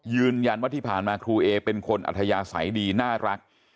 ยืนยันว่าที่ผ่านมาครูเอเป็นคนอัธยาศัยดีน่ารัก